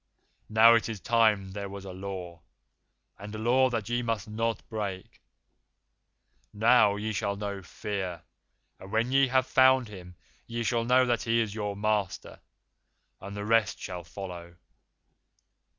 Now it is time there was a Law, and a Law that ye must not break. Now ye shall know Fear, and when ye have found him ye shall know that he is your master, and the rest shall follow.